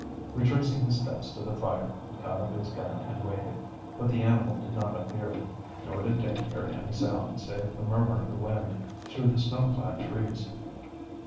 Retracing his steps to the fire, he caught up his gun and waited. But the animal did not appear, nor did Dick hear any sound save the murmur of the wind through the snow clad trees.